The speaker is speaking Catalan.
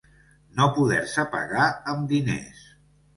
No poder-se pagar amb diners.